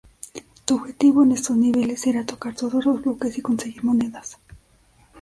Tu objetivo en estos niveles será tocar todos los bloques y conseguir monedas.